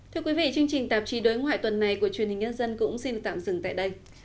thưa quý vị chương trình tạp chí đối ngoại tuần này của truyền hình nhân dân cũng xin được tạm dừng tại đây